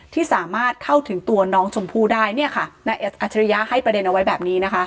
ที่สามารถเข้าถึงตัวน้องชมพู่ได้เนี่ยค่ะนายอัจฉริยะให้ประเด็นเอาไว้แบบนี้นะคะ